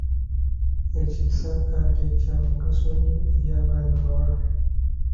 Ekisaakaate kya mugaso nnyo eri abaana abawala.